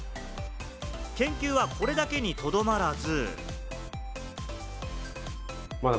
研究はこれだけにとどまらず。